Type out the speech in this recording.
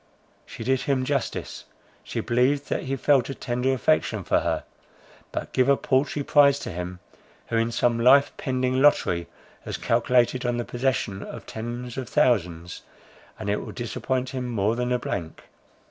She did him justice; she believed that he felt a tender affection for her; but give a paltry prize to him who in some life pending lottery has calculated on the possession of tens of thousands, and it will disappoint him more than a blank.